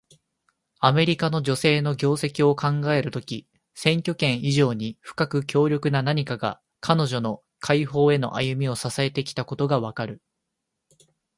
アメリカの女性の業績を考えるとき、選挙権以上に深く強力な何かが、彼女の解放への歩みを支えてきたことがわかる。